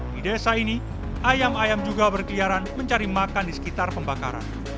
di desa ini ayam ayam juga berkeliaran mencari makan di sekitar pembakaran